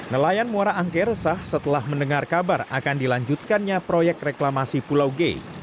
nelayan muara angke resah setelah mendengar kabar akan dilanjutkannya proyek reklamasi pulau g